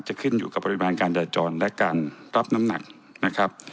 จะขึ้นอยู่กับปริมาณการจราจรและการรับน้ำหนักนะครับ